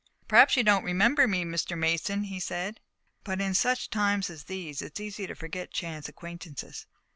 "Perhaps you don't remember me, Mr. Mason," he said, "but in such times as these it's easy to forget chance acquaintances."